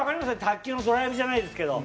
卓球のドライブじゃないですけど。